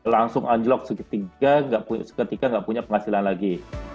langsung anjlok seketika seketika nggak punya penghasilan lagi